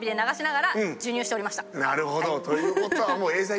なるほどということはもう。